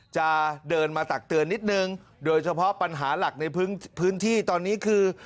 จะเดินมาตักเตือนนิดนึงโดยเฉพาะปัญหาหลักในพื้นที่ตอนนี้คือ